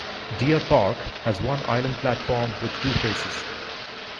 Deer Park has one island platform with two faces.